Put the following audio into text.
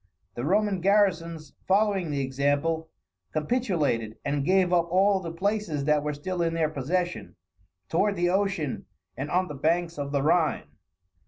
The Roman garrisons, following the example, capitulated and gave up all the places that were still in their possession, toward the ocean and on the banks of the Rhine.